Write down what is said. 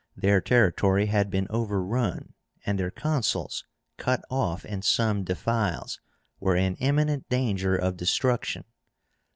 Their territory had been overrun, and their Consuls, cut off in some defiles, were in imminent danger of destruction.